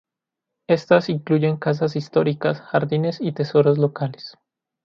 Estas incluyen casas históricas, jardines y tesoros locales.